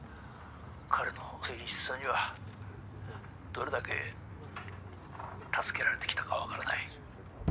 彼の誠実さにはどれだけ助けられてきたかわからない。